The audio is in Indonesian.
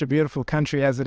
dan untuk organisasi kita